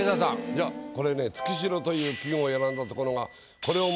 いやこれね「月白」という季語を選んだところが。